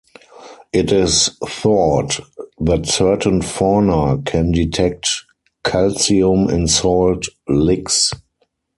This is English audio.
It is thought that certain fauna can detect calcium in salt licks.